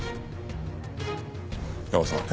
ヤマさん。